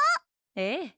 ええ。